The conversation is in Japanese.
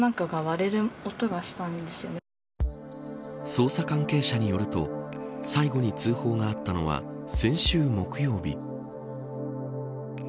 捜査関係者によると最後に通報があったのは先週木曜日。